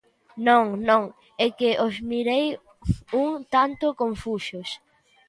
Non, non, é que os mirei un tanto confusos.